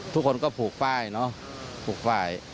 ทุกคนก็ผูกป้าย